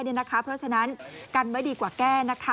เพราะฉะนั้นกันไว้ดีกว่าแก้